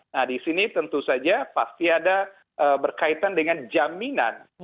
nah di sini tentu saja pasti ada berkaitan dengan jaminan